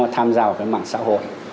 tham gia vào mạng xã hội